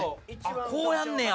こうやんねや！